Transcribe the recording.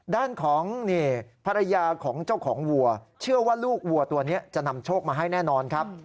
ด้านของภรรยาของเจ้าของวัวเชื่อว่าลูกวัวตัวนี้จะนำโชคมาให้แน่นอนครับ